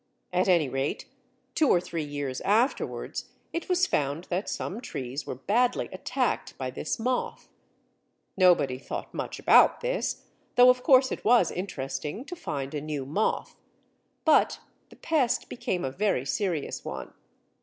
At any rate, two or three years afterwards it was found that some trees were badly attacked by this moth. Nobody thought much about this, though of course it was interesting to find a new moth. But the pest became a very serious one.